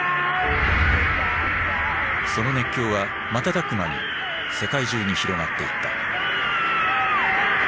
その熱狂は瞬く間に世界中に広がっていった。